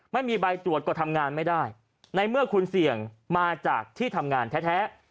ไม่มีใบตรวจก็ทำงานไม่ได้ในเมื่อคุณเสี่ยงมาจากที่ทำงานแท้